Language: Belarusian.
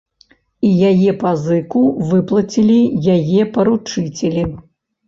І яе пазыку выплацілі яе паручыцелі.